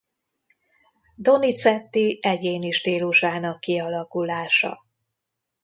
Donizetti egyéni stílusának kialakulása.